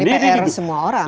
ini pr semua orang